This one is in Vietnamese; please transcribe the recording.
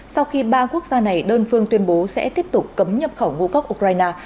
sau khi ba quốc gia này đơn phương tuyên bố sẽ tiếp tục cấm nhập khẩu ngũ cốc ukraine